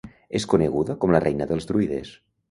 És coneguda com "la reina dels druides".